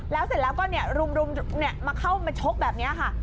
แล้วเสร็จแล้วก็รุมมาเข้ามาชกแบบนี้ค่ะ